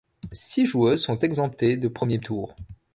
Six joueuses sont exemptées de premier tour.